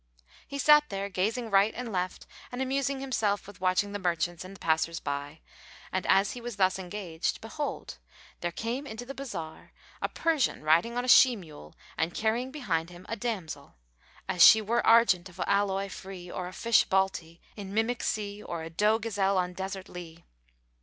He sat there gazing right and left and amusing himself with watching the merchants and passers by, and as he was thus engaged behold, there came into the bazar a Persian riding on a she mule and carrying behind him a damsel; as she were argent of alloy free or a fish Balti[FN#447] in mimic sea or a doe gazelle on desert lea.